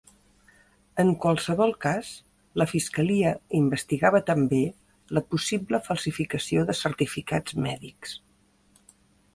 En qualsevol cas, la Fiscalia investigava també la possible falsificació de certificats mèdics.